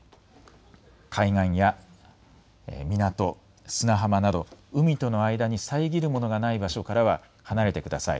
海岸や港、砂浜など海との間に遮るものがない場所からは離れてください。